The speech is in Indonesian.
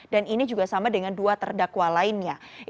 dan ini juga sama dengan dua terdakwa lainnya